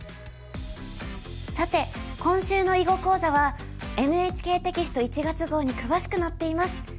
さて今週の囲碁講座はＮＨＫテキスト１月号に詳しく載っています。